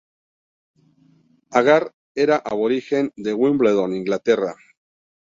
Agar era aborigen de Wimbledon, Inglaterra.